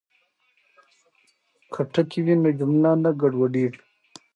که ټکي وي نو جمله نه ګډوډیږي.